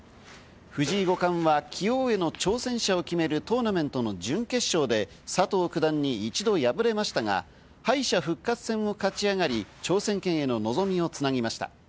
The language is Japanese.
藤井五冠は棋王への挑戦者を決めるトーナメントの準決勝で佐藤九段に一度敗れましたが敗者復活戦を勝ち上がり、挑戦権への望みをつなぎました。